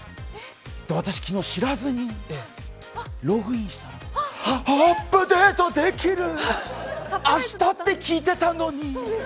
私、昨日知らずにログインしたら、アップデートできる！明日って聞いてたのに。